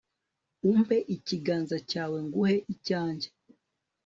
umpe ikiganza cyawe nguhe icyanjye